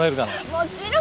もちろん！